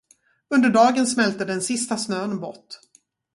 Under dagen smälte den sista snön bort.